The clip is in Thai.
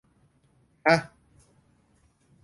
ห๊ะ ! ?